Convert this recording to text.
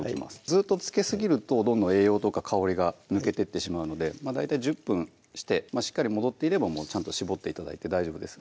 ずっとつけすぎるとどんどん栄養とか香りが抜けてってしまうので大体１０分してしっかり戻っていればもうちゃんと絞って頂いて大丈夫です